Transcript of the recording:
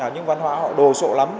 nhưng văn hóa họ đồ sộ lắm